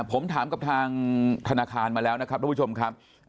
ผมถามกับทางธนาคารมาแล้วนะครับทุกผู้ชมครับ